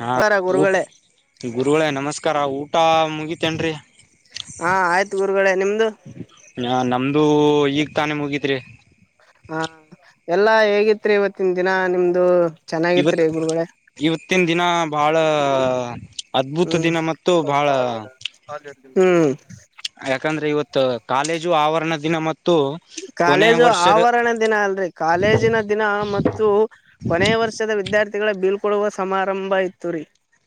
ಹಾ ಬರ ಊ ಗುರುಗಳೇ ಗುರುಗಳೇ ನಮ್ಸ್ಕಾರ, ಊಟ ಮುಗಿತೇನ್ರಿ ಹಾ ಆಯ್ತು ಗುರುಗಳ್ ಹ ನಮ್ದು ಈಗ್ ತಾನೆ ಮುಗಿತ್ರಿ ಹಾ ಎಲ್ಲಾ ಹೇಗಿತ್ರಿ ಇವತ್ತಿನ್ ದಿನ ನಿಮ್ದು ಇವತ್ ಚೆನ್ನಾಗಿತ್ರಿ ಗುರುಗಳೇ ಇವತ್ತಿನ್ ದಿನ ಬಾಳ ಅದ್ಭುತ ಹ್ಮ್ ದಿನ ಮತ್ತು ಬಹಳ ಹ್ಮ್ ಯಾಕಂದ್ರೆ ಇವತ್ತು ಕಾಲೇಜು ಆವರಣ ದಿನ ಮತ್ ಕಾಲೇಜು ಆವರಣ ದಿನ ಅಲ್ರಿ, ಕಾಲೇಜಿನ ದಿನ ಮತ್ತು ಕೊನೆಯ ವರ್ಷದ ವಿದ್ಯಾರ್ಥಿ ಬೀಳ್ ಕೊಡುವ ಸಮಾರಂಭ ಇತ್ತು ರೀ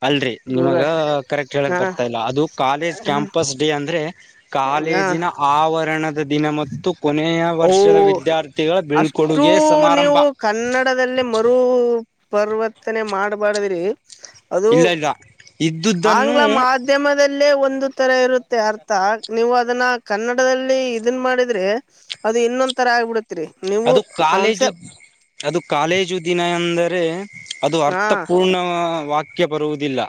ಅಲ್ರರಿ ನಿಮಗ ಗುರುಗಳೇ ಕರೆಕ್ಟ್ ಹೇಳಕ್ ಹಾ ಬರ್ತಾ ಇಲ್ಲ ಅದು ಕಾಲೇಜ್ ಕ್ಯಾಂಪಸ್ ಡೇ ಅಂದ್ರೆ ಹಾ ಕಾಲೇಜಿನ ಆವರಣದ ದಿನ ಮತ್ತು ಕೊನೆ ಓ ಅಷ್ಟು ಸಮಾರಂಭ ನೀವು ಕನ್ನಡದಲ್ಲಿ ಮರು ಪರ್ವರ್ತನೆ ಮಾಡ್ಬಾರ್ದ್ರಿ ಅದು ಇಲ್ಲ ಇಲ್ಲ ಇದ್ದುದನ್ನು ಆಂಗ್ಲ ಮಾಧ್ಯಮದಲ್ಲೇ ಒಂದು ಒ ತರ ಇರುತ್ತೆ ಅರ್ಥ ನೀವು ಅದನ್ನ ಕನ್ನಡದಲ್ಲಿ ಇದನ್ ಮಾಡಿದ್ರೆ ಅದು ಇನ್ನೊಂದ ತರ ಆಗ್ಬಿಡತ್ರಿ ನೀವು ಅದು ಕೌನ್ಸೆ ಕಾಲೇಜು ಅದು ಕಾಲೇಜು ದಿನ ಎಂದರೆ ಅದು ಹಾ ಅರ್ಥಪೂರ್ಣ ವಾಕ್ಯ ಬರುವುದಿಲ್ಲ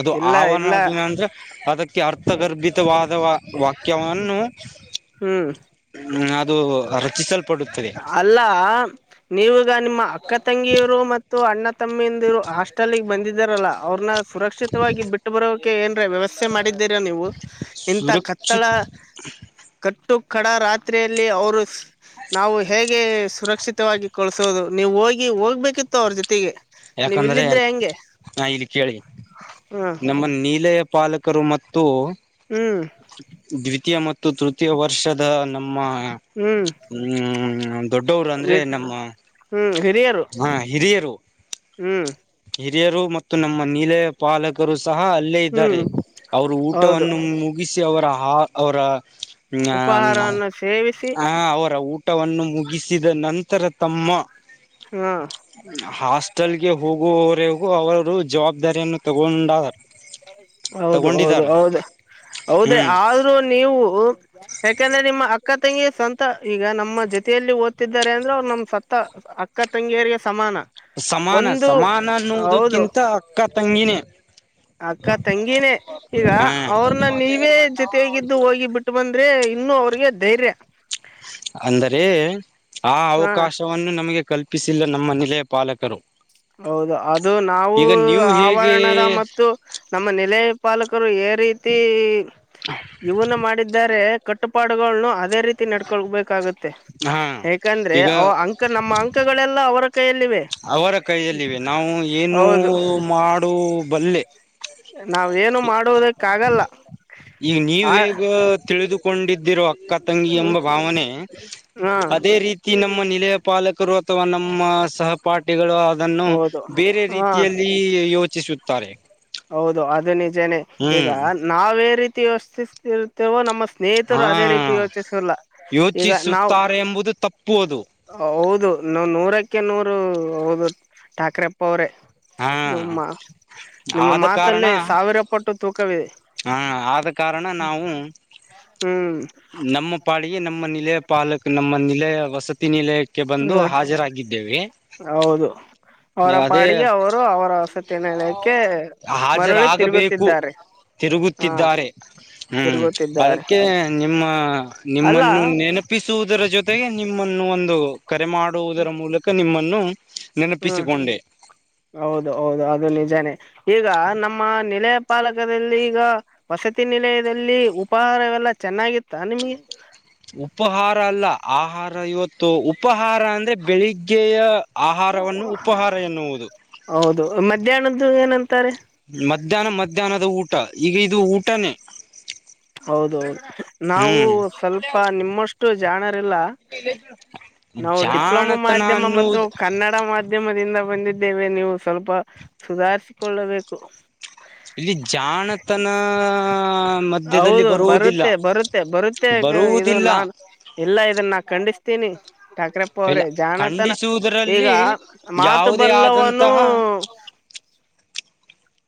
ಅದು ಇಲ್ಲ ಆವರಣ ಇಲ್ಲ ದಿನ ಅಂದ್ರೆ ಅದಕ್ಕೆ ಅರ್ಥಗರ್ಭಿತವಾದ ವಾಕ್ಯವನ್ನು ಹ್ಮ್ ಹ್ಮ್ ಅದು ರಚಿಸಲ್ಪಡ ಅಲ್ಲ ನೀವಗ ನಿಮ್ಮ ಅಕ್ಕ ತಂಗಿಯರು ಮತ್ತು ಅಣ್ಣ ತಮ್ಮಿಂದಿರು ಹಾಸ್ಟೆಲ್ಗೆ ಬಂದಿದ್ದಾರಲ್ಲಾ ಅವ್ರನ್ನ ಸುರಕ್ಷಿತವಾಗಿ ಬಿಟ್ಟು ಬರೋಕೆ ಏನ್ ವ್ಯವಸ್ಥೆ ಮಾಡಿದ್ದೀರ ನೀವು ಇಂಂತ ಕತ್ತಳ ಸುರಕ್ಷಿತ ಕಟ್ಟು ಕಡ ರಾತ್ರಿಯಲ್ಲಿ ಅವರು ಗೆ ಸುರಕ್ಷಿತವಾಗಿ ಕಳಸೋದು ನೀವು್ ಹೋಗಿ ಹೋಗ್ಬೇಕಿತ್ತು ಅವ್ರ ಜೊತೆಗೆ ನೀವ್ ಯಾಕಂದ್ರೆ ಇಲ್ಲಿದ್ರೆ ಹೆಂಗೆ ನಾ ಇಲ್ಲಿ ಕೇಳಿ ಹ್ಮ್ ನಮ್ಮ ನೀಲ ಪಾಲಕರು ಮತ್ತು ಹ್ಮ್ ದ್ವಿತೀಯ ಮತ್ತು ತೃತೀಯ ವರ್ಷದ ನಮ್ಮ ಹ್ಮ್ ಹ್ಮ್ ದೊಡ್ಡವರು ಅಂದ್ರೆ ನಮ್ಮ ಹ್ಮ್ ಹಿರಿಯರು ಹಾ ಹಿರಿಯರು ಹ್ಮ್ ಹಿರಿಯರು ಮತ್ತು ನಮ್ಮ ನೀಲ ಪಾಲಕರು ಸಹ ಅಲ್ಲೇ ಹ್ಮ್ ಇದ್ದಾರೆ ಅವರು ಹೌದು ಊಟವನ್ನು ಮುಗಿಸಿ ಅವರ ಅವರ ಹ ಉಪಾಹಾರವನ್ನು ಸೇವಿಸಿ ಹ ಅವರ ಊ ಮುಗಿಸಿದ ನಂತರ ತಮ್ಮ ಹಾ ಹಾಸ್ಟೆಲ್ಗೆ ಹೋಗುವವರೆಗೂ ಅವರು ಜವಾಬ್ದಾರಿಯನ್ನು ತಗೊಂಡ ಹೌದು ಹೌದು ತಗೊಂಡಿದಾರ ಹೌದು ಹೌದ್ರೆ ಹ್ಮ್ ಆದ್ರೂ ನೀವು ಯಾಕಂದ್ರೆ ನಿಮ್ಮ ಅ ಅಕ್ಕ ತಂಗಿಯ ಸಂತ ಈಗ ನಮ್ಮ ಜೊತೆಯಲ್ಲಿ ಓದ್ತಿದ್ದಾರೆ ಅಂದ್ರೆ ಅವ್ರು ನಮ್ಮ ಸತ್ತ ಅಕ್ಕ ತಂಗಿಯರಿಗೆ ಸಮಾನ ಸಮಾನ ಒಂದು ಸಮಾನ ಹೌದು ಅನ್ನುೋವುದಕ್ಕಿಂತ ಅಕ್ಕ ತಂಗಿನೇ ಅಕ್ಕ ತಂಗಿನೇ ಈಗ ಹ ಅವ್ರನ್ನ ನೀವೇ ಜೊತೆಯಗಿದ್ದು ಹೋಗಿ ಬಿಟ್ಟು ಬಂದ್ರೆ ಇನ್ನು ಇ ಅವ್ರಿಗೆ ಧೈರ್ಯ ಅಂದರೆ ಆ ಹ ಅವಕಾಶವನ್ನು ನಮಗೆ ತಪ್ಪಿಸಿಲ್ಲ ನಮ್ಮ ನಿಲೆಯ ಪಾಲಕರು ಹೌದು ಅದು ನಾವು ಈಗ ನೀವು ಹೇಗೆ ಆವರಣದ ಮತ್ತು ನಮ್ಮ ನೆಲೆ ಪಾಲಕರು ಏ ರೀತಿ ಇವನ ಮಾಡಿದ್ದ ಕಟ್ಟುಪಾಡುಗಳನ್ನು ಅದೇ ರೀತಿ ನಡ್ಕೊಳ್ಬೇಕಾಗುತ್ತೆ ಹಾ ಯಾಕಂದ್ರೆ ಈಗ ಅವ ಅಂಕ ನಮ್ಮ ಅಂಕಗಳೆಲ್ಲ ಅವರ ಕೈಯಲ್ಲಿವೆ ಅವರ ಕೈಯಲ್ಲಿವೆ ನಾವು ಏನುೂ ಹೌದು ಮಾಡು ಬಲ್ಲೆ ನಾವೇನು ಮಾಡುವುದಕ್ಕ ಆಗಲ್ಲ ಈಗ ನೀವ ಆ ಹೇಗ ತಿಳಿದುಕೊಂಡಿದ್ದ ಿ ಅಕ್ಕ ತಂಗಿ ಹ್ಮ್ ಎಂಬ ಭಾವನೆ ಹಾ ಅದೇ ರೀತಿ ನಮ್ಮ ನಿಲಯ ಪಾಲಕರು ಅಥವಾ ನಮ್ಮ ಸಹಪಾಠಿಗಳು ಅದನ್ನು ಹೌದು ಬೇರೆ ಹಾ ರೀತಿಯಲ್ಲಿ ಯೋಚಿಸುತ್ತ ತಾರೆ ಹೌದು ಅದು ನಿಜನೇ ಈಗ ನಾವೇ ರೀತಿ ಯೋಚಿಸ್ತಿರ್ತಿವೋ ನಮ್ಮ ಸ್ನೇಹಿತರು ಹಾ ಅದೇ ರೀತಿ ಯೋಚಿಸಿಲ್ಲ ಈಗ ನಾವು ಯೋಚಿಸುತ್ತಾರೆ ಎಂಬುದು ತಪ್ಪು ಅದು ಹೌದು ನ ನೂರಕ್ಕೆ ನೂರು ಹೌದು ಠಾಕ್ರೆಪ್ಪ ಅವ್ರೇ ಹಾ ನಿಮ್ಮ ನಿಮ್ಮ ಮಾತಲ್ಲಿ ಸಾವಿರ ಪಟ್ಟು ತೂಕ ಹಾ ಆದ ಕಾರಣ ನಾವು ಹ್ಮ್ ನಮ್ಮ ಪಾಳಿಗೆ ನಮ್ಮ ನಿಲೆ ಪಾಲಕ್ ನಮ್ಮ ನಿಲೆ ವಸತಿ ನಿಲೆ ಕ್ಕೆ ಬಂದು ಹ ಹಾಜರಾಗಿದ್ದೇವೆ ಹೌದು ಅವರ ನೀವು ಅದೇ ಪಾಡಿಗೆ ಅವರು ಅವರ ವಸತಿ ನಿಲಯಕ್ಕೆ ಮರಳಿ ಹಾಜರಾಗಬೇಕು ತಿರುಗುತ್ತಿದ್ದಾರೆ ಹಾ ತಿರುಗುತ್ತಿದ್ದಾರೆ ಹ್ಮ್ ತಿರುಗುತ್ತಿದ್ದಾರೆ ಅದಕ್ಕೆ ನಿಮ್ಮ ಅಲ್ಲ ನಿಮ್ಮನ್ನು ನೆನಪಿಸುವುದರ ಜೊತೆಗೆ ನಿಮ್ಮ ಒಂದು ಕರೆ ಮಾಡುವುದರ ಮೂಲಕ ನಿಮ್ಮನ್ನು ಹ್ಮ ನೆನಪಿಸಿಕೊಂಡೆ ಹೌದು ಹೌದು ಅದು ನಿಜಾನೇ ಈಗ ನಮ್ಮ ನಿಲಯ ಪಾಲಕದಲ್ಲಿ ಈಗ ವಸತಿ ನಿಲಯದಲ್ಲಿ ಉಪಹಾರವೆಲ್ಲ ಚೆನ್ನಾಗಿತ್ತ ನಿಮ್ಗೆ ಉಪಹಾರ ಅಲ್ಲ ಆಹಾರ ಇವತ್ತು ಉಪಾಹಾರ ಅಂದ್ರೆ ಬೆಳಿಗ್ಗೆಯ ಆಹಾರವನ್ನು ಉಪಹಾರ ಎನ್ನುವುದು ಹೌದು ಮಧ್ಯಾಹ್ನದ ಏನ ಮಧ್ಯಾಹ್ನ ಮಧ್ಯಾಹ್ನದ ಊಟ ಈಗ ಇದು ಊಟನೇ ಹೌದೌದು ನಾವು ಹ್ಮ್ ಸ್ವಲ್ಪ ನಿಮ್ಮಷ್ಟು ಜಾಣ ನಾವು ಡಿಪ್ಲೊಮ ಜಾಣತನ ಮಾಧ್ಯಮ ಮತ್ತು ಅನ್ನುವುದು ಕನ್ನಡ ಮಾಧ್ಯಮದಿಂದ ಬಂದಿದ್ದೇವೆ ನೀವು ಸ್ವಲ್ಪ ಸುಧಾರಿಸಿಕೊಳ್ಳಬೇಕು ಇಲ್ಲಿ ಜಾಣತನ ಮಧ್ಯದಲ್ಲಿ ಹೌದು ಬರುವುದಿಲ್ಲ ಬರುತ್ತೆ ಬರುತ್ತೆ ಬರುತ್ತೆ ಇದು ಬರುವುದಿಲ್ಲ ನಾನ್ ಎಲ್ಲ ಇದನ್ನಾ ಂಡಿಸ್ತ ತಿನ್ನಿ ಠಾಕ್ರಪ್ಪ ಇಲ್ಲ ಅವ್ರೇ ಜಾಣತನ ಈಗ ಖಂಡಿಸುವುದರಲ್ಲಿ ಮಾತು ಯಾವುದೇ ಬಲ್ಲವವನ್ನುೂ ಆದಂತಹ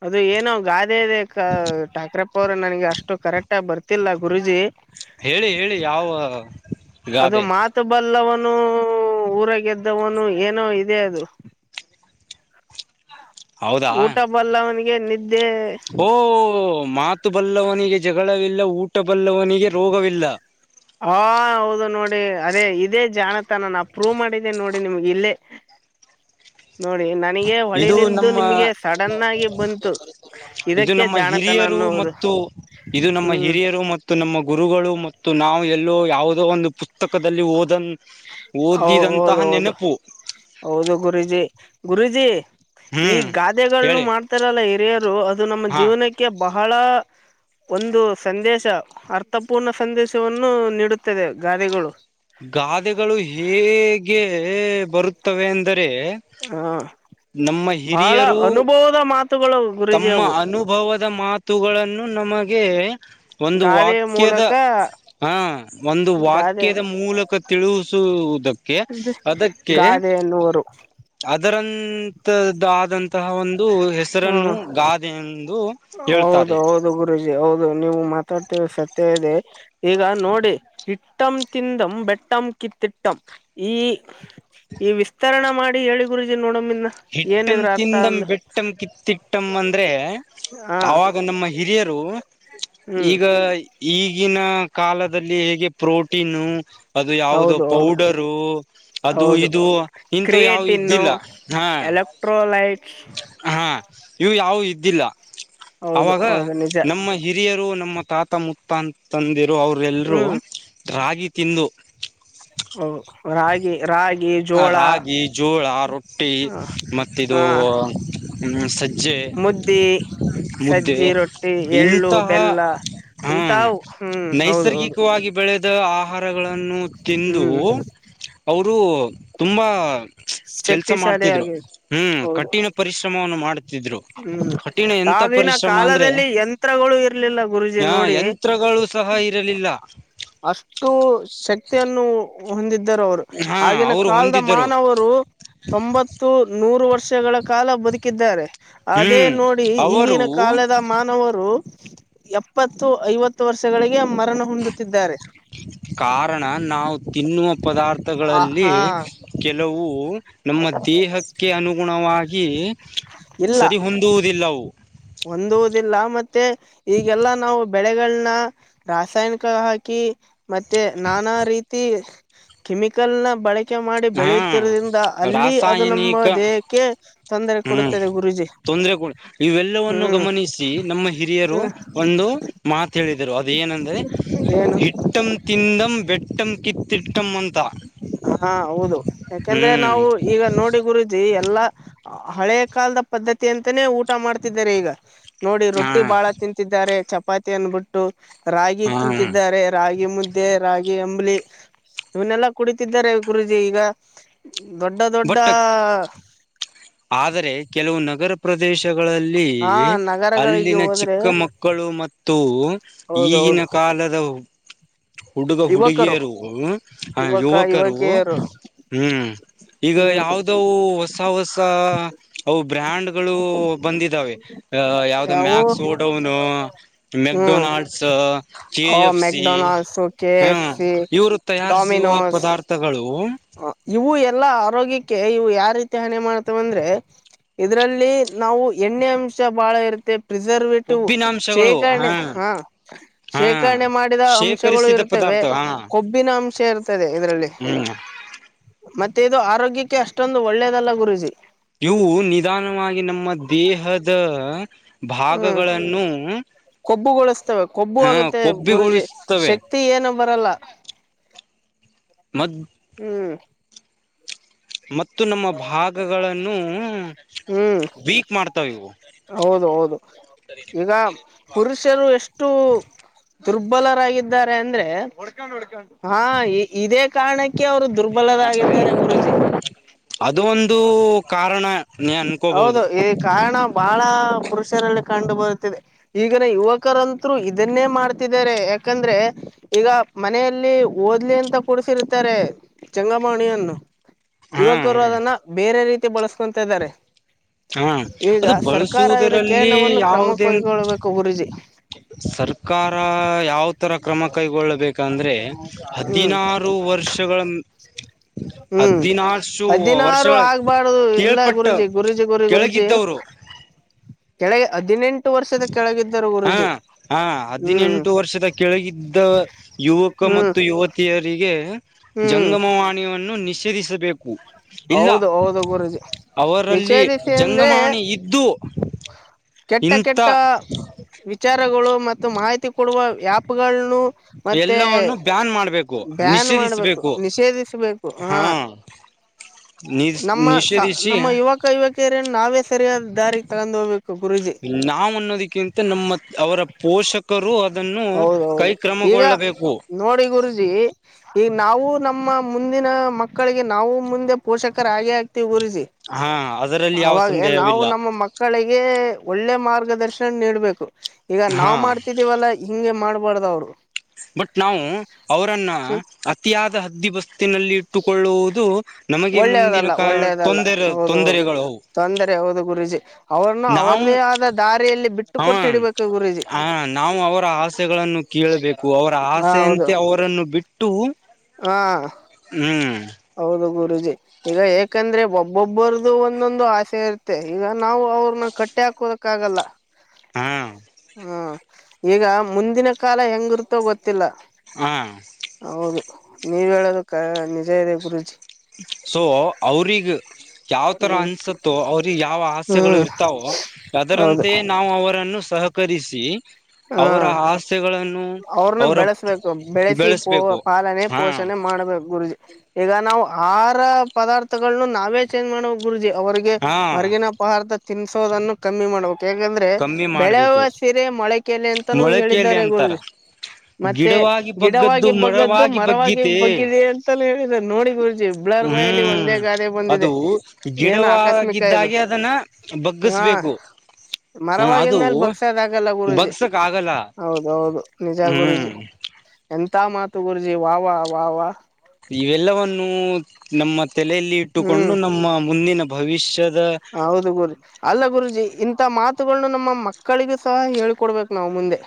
ಅದು ಏನ ಗಾದೆ ಇದೆ ಠಾಕ್ರಪ್ಪ ಅವರು ನನಗೆ ಅಷ್ಟ ಷ್ಟ ಕರೆಕ್ಟ್ ಆಗ ಬರ್ತಿಲ್ಲಾ ಗುರುಜಿ ಹೇಳಿ ಹೇಳಿ ಯಾವ ಅದು ಗಾದೆ ಮಾತು ಬಲ್ಲ ಒಂದು ನು ಊರ ಗೆದ್ದವನು ಏನೋ ಇದೆ ಅದು ಹೌದಾ ಊಟ ಬಲ್ಲ ಅವನಿಗೆ ನಿದ್ದೆ ಓ ಮಾತು ಬಲ್ಲವನಿಗೆ ಜಗಳವಿಲ್ಲ ಊಟ ಬಲ್ಲವನಿಗೆ ರೋಗವಿಲ್ಲ ಹಾ ಹೌದು ನೋಡಿ ಅದೇ ಇದೇ ಜಾಣತಾನ ನಾ ಪ್ರೂವ್ ಮಾಡಿದ್ದೇ ನೋಡಿ ನಿಮ್ಗೆ ಇಲ್ಲೇ ನೋಡಿ ನಾ ನನಗೆ ಇದು ಹೊಳಿಲಿಲ್ದು ನಮ್ಮ ನಿಮ್ಗೆ ಸಡನ್ ಆಗಿ ಬಂತು ಇದು ಇದಕ್ಕೆ ನಮ್ಮ ಜಾಣತನ ಹಿರಿಯರು ಅನ್ನವುದು ಮತ್ತು ಇದು ನಮ್ಮ ಹಿರಿಯರು ಮತ್ತು ನಮ್ಮ ಗುರುಗಳು ಮತ್ತು ನಾವು ಎಲ್ಲೋ ಯಾವುದೋ ಒಂದು ಪುಸ್ತಕದಲ್ಲಿ ಓದನ್ ಓ ಓದಿದಂತಹ ಹೌದು ಹೌದು ನೆನಪು ಹೌದು ಗುರಜಿ ಗುರಜಿ ಈ ಹ್ಮ್ ಗಾದೆನ್ನ ಹೇಳಿ ಮಾಡ್ತಾರಲ್ಲ ಹಿರಿಯರು ಅದು ನಮ್ಮ ಹಾ ಜೀವನಕ್ಕೆ ಬಹಳ ಒಂದು ಸಂದೇಶ ಅರ್ಥಪೂರ್ಣ ಸಂದೇಶವನ್ನು ನೀಡುತ್ತದೆ ಗಾದೆಗಳು ಗಾದೆಗಳು ಹೇಗೆ ಬರುತ್ತವೆ ಅಂದರೆ ಹ ಅಂದ್ರೆ ನಮ್ಮ ಬಹಳ ಹಿರಿಯರು ಅನುಭವದ ಮಾತುಗಳು ಗುರೂಜಿ ತಮ್ಮ ಅವು ಅನುಭವದ ಮಾತುಗಳನ್ನು ನಮಗೆ ಒಂದು ಗಾದೆಯ ವಾಕ್ಯದ ಮೂಲಕ ಹ ಒಂದು ವಾಕ್ಯ ಗಾದೆ ಮೂಲಕ ತಿಳಿಸುವುದಕ್ಕೆ ಅದಕ್ಕೆ ಗಾದೆ ಎನ್ನುವರು ಅದರಂತ ಆದಂತಹ ಒಂದು ಹೆಸರನ್ನು ಹ್ಮ್ ಗಾದೆ ಎಂದು ಹೌದು ಹೇಳ್ತಾರೆ ಹೌದು ಗುರೂಜಿ ಹೌದು ನೀವು ಮಾತಾಡ್ತಿರ ಸತ್ಯ ಇದೆ ಈಗ ನೋಡಿ ಇಿಟ್ಟಂ ತಿಂದಂ ಬೆಟ್ಟಂ ಕಿತ್ತಿಟ್ಟಂ ಈ ಈ ವಿಸ್ತರಣೆ ಮಾಡಿ ಹೇಳಿ ನೋಡ ಹಿಟ್ಟಂ ತಿಿಂದಂ ಬೆಟ್ಟಮ ಕಿತ್ತ ತಿಟ್ಟಮ್ಮ ಅಂದ್ರೆ ಹಾ ಅವಾಗ ನಮ್ಮ ಹಿರಿಯರು ಹ್ಮ್ ಈಗ ಈಗಿನ ಕಾಲದಲ್ಲಿ ಹೇಗೆ ಪ್ರೋಟೀನು ಅದು ಯಾವ್ದೋ ಹೌದು ಹೌದು ಪೌಡರು ಅದು ಹೌದು ಇದು ಇಂತ ಯಾವ ಇದ್ದಿಲ್ಲ ಹಾ ಎಲೆಕ್ಟ್ರೋಲೈಟ್ ಹಾ ಇವು ಯಾವವು ಇದ್ದಿಲ್ಲ ಹೌದು ಅವಾಗ ಹೌದು ನಿಜ ನಮ್ಮ ಹಿರಿಯರು ನಮ್ಮ ತಾತ ಮುತ್ತ ಅಂತ ತಂದಿರು ಅವ್ರ ಎಲ್ರು ಹ್ಮ್ ರಾಗಿ ತಿಂದು ಹ ರಾಗಿ ರಾಗಿ ಜೋಳ ರಾಗಿ ಜೋಳ ರೊಟ್ಟಿ ಹ ಮತ್ತಿದು ಹಾ ಸಜ್ಜೆ. ಮುದ್ದಿ ಮುದ್ದೆ ಸಜ್ಜಿ ರೊಟ್ಟಿ ಎಳ್ಳು ಇಂತಹ ಬೆಲ್ಲ. ಹಾ ಹಿಂತಾವು ಹ್ಮ್ ಹೌದ ಹೌದು. ನೈಸರ್ಗಿಕವಾಗಿ ಬೆಳೆದ ಆಹಾರಗಳನ್ನು ತಿಂದು ಹ್ಮ್ ಅವರು ತುಂಬಾ. ಕೆಲ್ಸ ಮಾಡ್ತಿದ್ರು ಶಕ್ತಿಶಾಲಿಯಾಗಿರಿ. ಹ್ಮ್ ಹೌದು ಕಠಿಣ ಪರಿಶ್ರಮವನ್ನು ಮಾಡುತ್ತಿದ್ರು ಹ್ಮ್ ಕಠಿಣ ಎಂತ ಹಾವಿನ ಪರಿಶ್ರಮ ಅಂದ್ರೆ ಕಾಲದಲ್ಲಿ ಯಂತ್ರವು. ಳು ಇರ್ಲಿಲ್ಲ ಗುರುಜಿ ಹ ನೋಡಿ. ಯಂತ್ರಗಳು ಸಹ ಇರಲಿಲ್ಲ ಅಷ್ಟು ಶಕ್ತಿಯನ್ನು ಹೊಂದಿದ. ಅವರು ಹಾ ಆಗಿನ ಅವರು ಕಾಲದ ಹೊಂದಿದ್ದರು ಮಾನವರು ತೊಂಬತ್ತು ನೂರು ವರ. ವರ್ಷಗಳ ಕಾಲ ಬದುಕಿದ್ದಾರೆ ಅದೇ ಹ್ಮ್ ನೋಡಿ ಅವರು ಈಗಿನ ಕಾಲದ ಮಾನವರು. ಎಪ್ಪತ್ತು ಐವತ್ತು ವರ್ಷಗಳಿಗೆ ಮರಣ. ಹೊಂದುತ್ತಿದ್ದಾರೆ ಕಾರಣ ನಾವು ತಿನ್ನುವ. ಆ ಪದಾರ್ಥಗಳಲ್ಲಿ ಹಾ ಕೆಲವು ನಮ್ಮ ದೇಹ. ಕೆ ಅನುಗುಣವಾಗಿ ಇಲ್ಲ ಸರಿ ಹೊಂದುವುದಿಲ್ಲವು. ಹೊಂದುವುದಿಲ್ಲ ಮತ್ತೆ ಈಗೆಲ್ಲ ನಾವು. ಬೆಳೆಗಳನಾ ರಾಸಾಯನಿಕ ಹಾಕಿ ಮತ್ತೆ ನಾನಾ ರೀತಿ. ಕೆಮಿಕಲ್ನ ಬಳಕೆ ಮಾಡಿ ಹಾ ಬೆಳೆಯುತ್ತಿರೋದ್ರಿಂದ ಅಲ್ಲಿ ಅದು ನಮ್ಮ ರಾಸಾಯನಿಕ ದೇಹಕ್ಕೆ. ತೊಂದರೆ ಕೊಡುತ್ತದೆ ಗುರೂಜಿ. ಎಲ್ಲವನ್ನು ಹ್ಮ್ ಗಮನಿಸಿ ನಮ್ಮ ಹಿರಿಯರು ಒಂದು ಮಾತ ಹೇಳಿದರು ಅದ ಏನಂದ್ರೆ. ಏನು ಹಿಟ್ಟಂ ತಿಂದಂ ಬೆಟ್ಟಂ ಕಿತ್ತಿಟ್ಟಂ ಅಂತ. ಹಾ ಹೌದು ಯಾಕೆಂದ್ರೆ ಹ್ಮ್ ನಾವು ಈಗ ನೋಡಿ ಗುರುಜಿ. ಎಲ್ಲ ಹಳೆ ಕಾಲದ ಪದ್ಧತಿ ಅಂತಾನೇ ಊಟ ಮಾಡ್ತಿದ್ದಾರೆ ಈಗ. ನೋಡಿ ಹಾ ರೊಟ್ಟಿ ಬಾಳ ತಿಂತಿದ್ದಾರೆ ಚಪಾತಿಯನ್ನು ಬಿಟ್ಟು ರಾಗಿ ಹಾ ತಿಂತಿದ್ದಾರೆ ರಾಗಿ ಮು. ದ್ದೆ ರಾಗಿ ಅಂಬಲಿ ಇವನ್ನೆಲ್ಲಾ ಕುಡಿತಿದ್ದಾರೆ ಗುರುಜಿ ಈಗ. ದೊಡ್ಡ ದೊಡ್ಡ. ಬಟ್ ಆದರೆ ಕೆಲವು ನಗರ ಪ್ರದೇಶ. ಗಳಲ್ಲಿ ಹಾ ನಗರಗಳಿಗೆ ಅಲ್ಲಿನ ಹೋದ್ರೆ ಚಿಕ್ಕ ಮಕ್ಕಳು ಮತ್ತು ಈಗಿನ ಹೌದೌದು ಕಾಲ. ಲ್ಲದೌ. ಹುಡುಗ ಯುವಕರು ಹುಡುಗಿಯರು ಹ ಯುವಕ ಯುವಕರು ಯುವಕಿಯರು ಹ್ಮ್. ಈಗ ಹ್ಮ್ ಯಾವ್ದವು ಹೊಸ ಹೊಸ ಅವ. ಬ್ರ್ಯಾಂಡ್ಗಳು ಬಂದಿದ್ದಾವೆ. ಯಾವ್ದೋ ಯಾವು ಮ್ಯಾಕ್ಸ್ ಓಡೌನು ಹ್ಮ್ McDonald's K F C. So K ಹ ಎಫ್ ಸಿ ಇವರು ತಯಾರಿಸುವ ಡೊಮಿನೋಸ್. ಪದಾರ್ಥಗಳು ಇವು ಎಲ್ಲಾ ಆರೋಗ್ಯಕ್ಕೆ ಇವು ಯಾ ರೀತಿ ಹಾನಿ ಮಾಡ್ತಾ ವಂದ್ರೆ. ಇದರಲ್ಲಿ ನಾವು ಎಣ್ಣೆ ಅಂಶ ಬಾಳ ಇರುತ್ತೆ. ಪ್ರಿಸರ್ವೇಟಿವ್ ಕೊಬ್ಬಿನಾಂಶಗಳು ಹಾ ಶೇಖರಣೆ ಹ ಹಾ ಶೇಖರಣೆ ಮಾಡಿದ ಅಂಶಗಳು ಶೇಖರಿಸಿದ ಇರುತ್ತವೆ. ಪದಾರ್ಥ ಹಾ ಕೊಬ್ಬಿನ ಅಂಶ ಇರ್ತದೆ ಇದರಲ್ಲಿ ಹ್ಮ್ ಮ. ತ್ತೆದು ಆರೋಗ್ಯಕ್ಕೆ ಅಷ್ಟೊಂದು ಒಳ್ಳೇದಲ್ಲ ಗುರುಜಿ. ಇವು ನಿಧಾನವಾಗಿ ನಮ್ಮ ದೇಹದ. ಹ್ಮ್ ಭಾಗಗಳನ್ನು. ಕೊಬ್ಬುಗೊಳಿಸ್ತವೆ ಕೊಬ್ಬು ಅಹ ಆಗುತ್ತೆ ಗುರುಜಿ ಕೊಬ್ಬಿಗೊಳಿಸುತ್ತವೆ ಶಕ್ತಿ ಏನು ಬರಲ್ಲ. ಮದ್. ಹ್ಮ್. ಮತ್ತು ನಮ್ಮ ಭಾಗಗಳನ್ನು ಹ್ಮ್ ವೀಕ್ ಮಾಡ್ತಾವೆ. ಹೌದು ಹೌದು ಈಗ ಪುರುಷರು ಎಷ್ಟು. ದುರ್ಬಲರಾಗಿದ್ದಾರೆ ಅಂದ್ರೆ ಹಾ ಇದೇ ಕಾರಣ. ಕೆ ಅವ್ರು ದುರ್ಬಲರಾಗಿದ್ದಾರೆ ಗುರುಜಿ. ಅದು ಒಂದು ಕಾರಣ ನೀ ಅನ್ಕೋಬಹುದು ಹೌದು ಈ ಕಾರಣ ಬಹಳ ಪುರುಷರಲ್ಲಿ. ಕಂಡು ಬರುತ್ತಿದೆ ಈಗನ ಯುವಕರಂತ್ರು ಇದನ್ನೇ ಮಾಡ್ತಿದ್ದಾರೆ ಯಾಕಂದ್ರೆ ಈಗ. ಮನೆಯಲ್ಲಿ ಓದ್ಲಿ ಅಂತ ಕೂಡಸಿರ್ತಾರೆ ಚಂಗಮಣಿಯನ್ನು. ಹಾ ಯುವಕರು ಅದನ್ನ ಬೇರೆ ರೀತಿ ಬಳಸ್ಕೊತ ಇದಾರೆ ಹಾ ಈಗ ಅದು ಸರ್ಕಾರ ಇದ ಬಳಸುವುದರಲ್ಲಿ ಕಿರಣವನ್ನು ಕ್ರಮ ಯಾವುದೇ ಕೈಗೊಳ್ಳಬೇಕು ಗುರುಜಿ ಸರ್ಕಾರ ಯಾವ ತರ ಕ್ರಮ ಕೈಗೊಳ್ಳಬೇಕು ಯಾಕಂದ್ರೆ ಹ್ಮ್ ಹದಿನಾರು ವರ್ಷಗಳ ಹ್ಮ್ ಹದಿನಾರು ಹದಿನಾರು ವರ್ಷಗಳ ಆಗ್ಬಾರ್ದ ಇಲ್ಲಾ ಕೇಳ್ಪಟ್ಟ ಗುರೂಜಿ ಗುರೂಜಿ ಗುರಿ ಗುರೂಜಿ ಕೆಳಗಿದ್ದವರು ಕೇಳೆ ಹದಿನೆಂಟು ವರ್ಷದ ಕೆಳಗಿದ್ದರು ಹಾ ಗುರೂಜಿ ಹಾ ಹ್ಮ್ ಹದಿನೆಂಟು ವರ್ಷದ ಕೆಳಗಿದ್ದ ಯುವಕ ಹ್ಮ್ ಮತ್ತು ಯುವತಿಯ ರಿಗೆ ಹ್ಮ್ ಜಂಗಮವಾಣಿಯನ್ನು ನಿಷೇಧಿಸಬೇಕು ಕೂ ಇಲ್ಲ ಹೌದು ಹೌದು ಗುರೂಜಿ ಅವರಲ್ಲಿ ನಿಷೇಧಿಸಿ ಅಂದ್ರೆ ಜಂಗಮಾಣಿ ಇದ್ದು ಕೆಟ್ಟ ಇಂಥ ಕೆಟ್ಟ ವಿಚಾರಗಳು ಮತ್ತು ಮಾಹಿತಿ ಕೊಡುವ ಆ್ಯಪ್ ಗಳನು ಎಲ್ಲವನ್ನು ಬ್ಯಾನ್ ಮಾಡ್ ಬ್ಯಾನ್ ಮಾಡ್ಬೇಕು ನಿಷೇಧಿಸ್ಬೇಕು ಹಾ ನಿ ನಮ್ಮ ಸಾ ನಿಷೇಧಿಸಿ ನಮ್ಮ ಯುವಕ ಯುವತಿಯರನ್ನು ನಾವೇ ಸರಿಯಾದ ದಾರಿಗೆ ತಗೊಂಡು ಹೋಗ್ಬ ನಾವು ಅನ್ನೋದಕ್ಕಿಂತ ನಮ್ಮ ಅವರ ಪೋಷಕರು ಅದ ಹೌದೌದು ಈಗ ನೋಡಿ ಗುರುಜಿ ಈ ನಾವು ನಮ್ಮ ಮುಂದಿನ ಮಕ್ಕಳಿಗೆ ನಾವು ಮುಂದೆ ಪೋಷಕರಾ ಆಗೆ ಆಗುತ್ತ [unintelligible] ಗುರೂಜಿ ಹಾ ಅದರಲ್ಲಿ ಯಾವ ಅವಾಗ ನಾವು ಸಂದೇಹವಿಲ್ಲ ನಮ್ಮ ಮಕ್ಕಳಿಗೆ ಒಳ್ಳೆ ಮಾರ್ ದರ್ಶನ್ ನೀಡಬೇಕು ಈಗ ಹಾ ನಾವ್ ಮಾಡ್ತಿದೀವಅಲ್ವಾ ಮಾಡ್ಬಾರ್ದ ಅವ್ರು ಬಟ್ ನಾವು ಅವರನ್ನ ಹ್ಮ್ ಅತಿಯಾದ ಹದ್ದಿ ಬಸ್ತಿನಲ್ಲಿ ಇಟ್ಟುಕೊಳ್ಳುವುದು ನಮಗೆ ಮುಂದಿನ ಒಳ್ಳೇದಲ್ಲ ಕ ಒಳ್ಳೇದಲ್ಲ ತೊಂದರೆ ಹೌದು ಹೌದು ತೊಂದರೆಗಳವು ತೊಂದರೆ ಹೌದು ಗುರೂಜಿ ಅವ್ರನ್ನು ನಾವು ಅವ್ರದೇ ಆದ ದಾರಿಯಲ್ಲಿ ಬಿಟ್ಟು ಅವ ಕೊಟ್ಟಿಡ್ಬೇಕು ಗುರೂಜಿ ಹ ನಾವು ಅವರ ಆಸೆಗಳನ್ ಕೇಳ್ಬೇಕು ಅವರ ಹ ಹೌದು ಆಸೆಯಂತೆ ಅವರನ್ನು ಬಿಟ್ಟು ಹಾ ಹ್ಮ್ ಹೌದು ಗು ಗುರೂಜಿ ಈಗ ಏಕಂದ್ರೆ ಒಬ್ಬೊಬ್ಬರದುು ಒಂದೊಂದು ಆಸೆ ಇರುತ್ತೆ ಈಗ ನಾವು ಅವ್ರನ್ನ ಕಟ್ಟ್ಯಾ ಹಕ್ಕೋದಕ್ ಆಗಲ್ಲ ಹಾ ಹ್ಮ್ ಈಗ ಮುಂದಿನ ಕಾಲ ಹೆಂಗಿರ್ತೋ ಗೊತ್ ಗೊತ್ತಿಲ್ಲ ಹಾ ಹೌದು ನೀವ ಹೇಳೋದು ಕ ನಿಜ ಇದೆ ಗುರುೂಜಿ ಸೊ ಅವ್ರಿಗ್ ಯಾವ ತರ ಅನ್ಸತ್ತೋ ಅವ್ರಿಗೆ ಯಾವ ಆಸೆಗಳು ಹ್ಮ್ ಇರ್ತಾವೋ ಹೌದು ಅದರಂತೆಯೇ ನಾವು ಅವರನ್ನು ಸಹಕರಿಸಿ ಹಾ ಅವರ ಆಸೆಗಳನ್ನು ಅವ್ರನ್ನ ಅವರ ಬೆಳೆಸ್ಬೇಕು ಬೆಳೆಸಿ ಪೋ ಬೆಳೆಸ್ಬೇಕು ಪಾಲನೆ ಹಾ ಪೋಷಣೆ ಮಾಡ್ಬೇಕು ಗುರುಜಿ ಈಗ ನಾವು ಆಹಾರ ಪದಾರ್ಥಗಳಗಳನ್ನು ನಾವೇ ಚೇಂಜ್ ಮಾಡುವ ಗುರುಜಿ ಅವ್ರಿಗೆ ಹಾ ಹೊರಗಿನ ಪದಾರ್ಥ ತಿನ್ಸೋದನ್ನು ಕಮ್ಮಿ ಮಾಡ್ಬೇಕು ಹೇಗಂದ್ರೆ ಕಮ್ಮಿ ಬೆಳೆವ ಮಾಡ್ಬೇಕು ಸಿರಿ ಮೊಳಕೆಯಲ್ಲಿ ಅಂತಾನೂ ಮೊಳಕೆಯಲ್ಲಿ ಹೇಳಿದ್ದಾರೆ ಅಂತಾರ ಗುರುಜ್ ಗಿಡವಾಗಿ ಬಗ್ಗದ್ದು ಬಗ್ಗದ್ದು ಮರವಾಗಿ ಬಗ್ಗೀತೇ ಬಗ್ಗಿದೆ ಅಂತಲೂ ಹೇಳಿದ್ದಾರೆ ನೋಡಿ ಗುರುಜಿ ಬ್ಲರ್ ಬಾಯಲ್ಲಿ ಹ್ಮ್ ಒಂದೇ ಗಾದೆ ಬಂದಿದೆ ಅದು ಏನು ಆಕಸ್ಮಿಕ ಇದು ಗಿಡವಾಗಿದ್ದಾಗೆ ಅದನ್ನ ಹಾ ಬಗ್ಗಸ್ಬೇಕು ಮರವಾಗಿದ ಮ್ಯಾಲ್ ಬಗ್ಸಾಕ್ ಆಗಲ್ಲ ಗುರೂಜಿ ಬಗ್ಸಕ್ ಆಗಲ್ಲ ಹೌದೌದು ನಿಜಾ ಹ್ಮ್ ಗುರುಜಿ ಎಂತ ಮಾತು ಗುರುಜಿ ವಾ ವಾ ವಾ ವಾ ಇವೆಲ್ಲವನ್ನು ನಮ್ಮ ತಲೆಯಲ್ಲಿ ಇಟ್ಟುಕೊಂಡು ಹ್ಮ್ ನಮ್ಮ ಮುಂದಿನ ಭವಿಷ್ಯ ಹೌದು ಗುರೂಜಿ ಅಲ್ಲ ಗುರೂಜಿ ಇಂತ ಮಾತುಗಳನ್ನು ನಮ್ಮ ಮ ಮಕ್ಕಳಿಗೆ ಸಹ ಹೇಳ್ಕೊಡ್ಬೇಕು ನಾವು ಮುಂದೆ